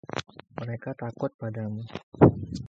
Mereka takut padamu.